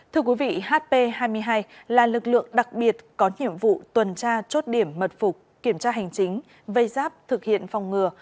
thưa quý vị hp hai mươi hai là lực lượng đặc biệt có nhiệm vụ tuần tra chốt điểm mật phục kiểm tra hành chính vây giáp thực hiện phòng ngừa